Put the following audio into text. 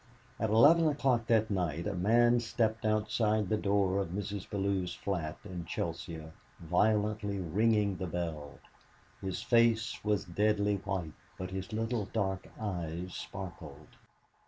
At eleven o'clock that night a man stood outside the door of Mrs. Bellew's flat in Chelsea violently ringing the bell. His face was deathly white, but his little dark eyes sparkled.